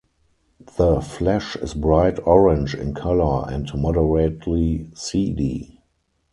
The flesh is bright orange in color and moderately seedy.